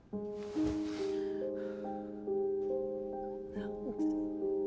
何で。